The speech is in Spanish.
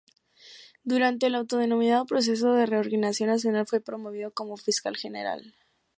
Durante el autodenominado Proceso de Reorganización Nacional fue promovido como fiscal general.